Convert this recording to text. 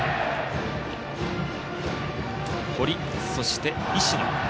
堀、そして石野。